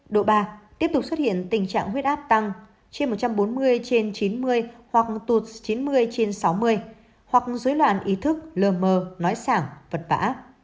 độ ba tiếp tục xuất hiện tình trạng huyết áp tăng trên một trăm bốn mươi trên chín mươi hoặc tụt chín mươi trên sáu mươi hoặc dối loạn ý thức lơ mờ nói sảng vật bã